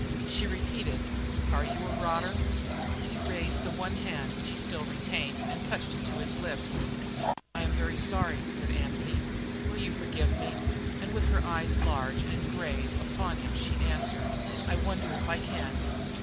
She repeated: "Are you a rotter?" He raised the one hand which he still retained and touched it to his lips. "I am very sorry," said Anthony, "will you forgive me?" And with her eyes large and grave upon him she answered: "I wonder if I can!"